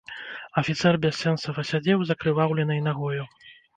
Афіцэр бяссэнсава сядзеў з акрываўленай нагою.